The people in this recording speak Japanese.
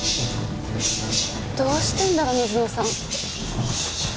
どうしてるんだろ水野さん。